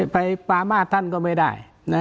ปามาท่านก็ไม่ได้